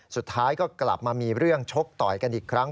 สุดท้ายก็กลับมามีเรื่องชกต่อยกันอีกครั้ง